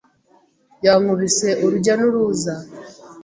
Yankubise urujya n'uruza.